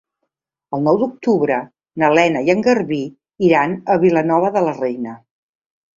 El nou d'octubre na Lena i en Garbí iran a Vilanova de la Reina.